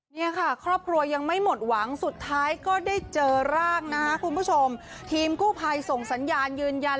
เนี่ยค่ะครอบครัวยังไม่หมดหวังสุดท้ายก็ได้เจอร่างนะคะคุณผู้ชมทีมกู้ภัยส่งสัญญาณยืนยัน